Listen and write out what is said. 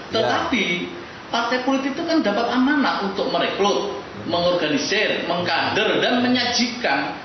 tetapi partai politik itu kan dapat amanah untuk merekrut mengorganisir mengkader dan menyajikan